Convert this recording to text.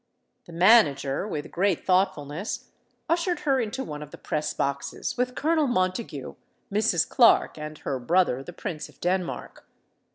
The manager, with great thoughtfulness, ushered her into one of the press boxes, with Colonel Montague, Mrs. Clark, and her brother the Prince of Denmark.